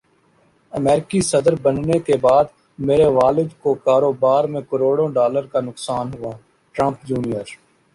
امریکی صدربننے کےبعد میرے والد کوکاروبار میں کروڑوں ڈالر کا نقصان ہوا ٹرمپ جونیئر